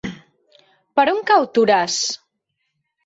Per on cau Toràs?